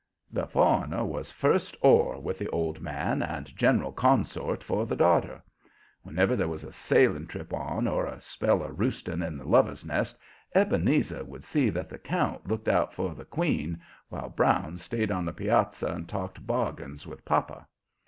The foreigner was first oar with the old man and general consort for the daughter. Whenever there was a sailing trip on or a spell of roosting in the Lover's Nest, Ebenezer would see that the count looked out for the "queen," while Brown stayed on the piazza and talked bargains with papa.